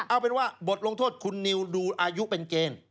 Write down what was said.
เอาเป็นว่าบทลงโทษคุณนิวดูอายุเป็นเกณฑ์